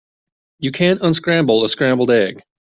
You can't unscramble a scrambled egg.